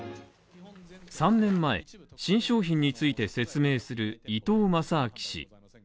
３年前、新商品について説明する伊東正明氏。